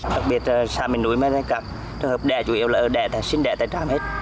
đặc biệt xã bình núi mà các trường hợp đẻ chủ yếu là đẻ sinh đẻ tại tràm hết